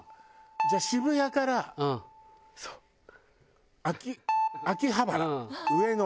じゃあ渋谷から秋葉原上野。